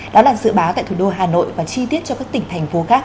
đó là dự báo tại thủ đô hà nội và chi tiết cho các tỉnh thành phố khác